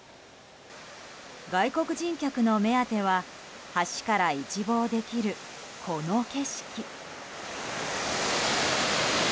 外国人客の目当ては橋から一望できるこの景色。